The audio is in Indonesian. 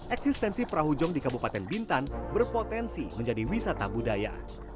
eksistensi perahu jong di kabupaten bintan berpotensi menjadi wisata budaya